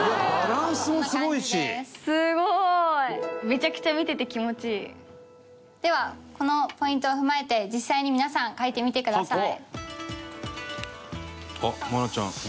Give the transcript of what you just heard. めちゃくちゃではこのポイントを踏まえて実際に皆さん書いてみてください。